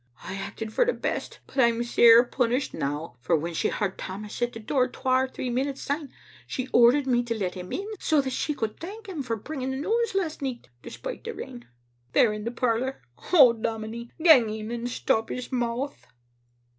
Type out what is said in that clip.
I acted for the best, but I'm sair punished now ; for when she heard Tammas at the door twa or three minutes syne, she ordered me to let him in, so that she could thank him for bringing the news last nicht, despite the rain. They're in the parlor. Oh, dominie, gang in and stop his mouth."